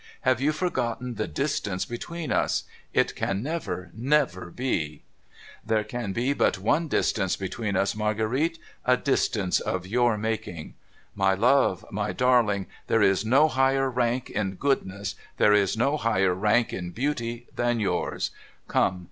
Have you forgotten the distance between us ? It can never, never be I '' There can be but one distance between us, Marguerite — a distance of your making. My love, my darling, there is no higher rank in goodness, there is no higher rank in beauty, than yours ! Come